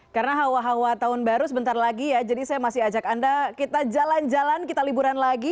karena hawa hawa tahun baru sebentar lagi ya jadi saya masih ajak anda kita jalan jalan kita liburan lagi